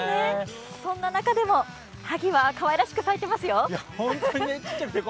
そんな中でも、はぎはかわいらしく咲いてますよ。